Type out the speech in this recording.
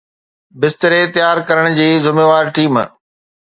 بستري تيار ڪرڻ جي ذميوار ٽيم